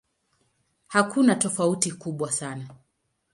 Hakuna tofauti kubwa sana.